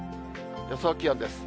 予想気温です。